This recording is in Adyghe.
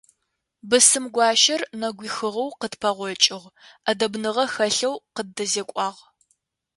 Бысымгуащэр нэгуихыгъэу къытпэгъокӏыгъ, ӏэдэбныгъэ хэлъэу къыддэзекӏуагъ.